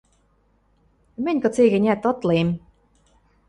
— Мӹнь кыце-гӹнят ытлем.